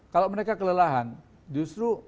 kalau mereka kelelahan justru